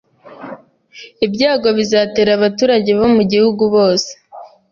Ibyago bizatera abaturage bo mu gihugu bose